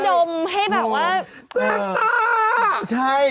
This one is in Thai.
เป็นรักษาใช่